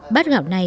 bát gạo này